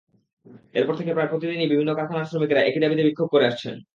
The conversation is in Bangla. এরপর থেকে প্রায় প্রতিদিনই বিভিন্ন কারখানার শ্রমিকেরা একই দাবিতে বিক্ষোভ করে আসছেন।